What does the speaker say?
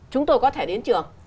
chúng tôi có thể đến trường